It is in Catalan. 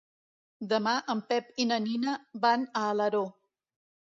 Demà en Pep i na Nina van a Alaró.